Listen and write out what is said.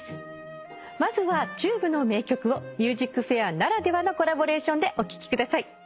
まずはＴＵＢＥの名曲を『ＭＵＳＩＣＦＡＩＲ』ならではのコラボレーションでお聴きください。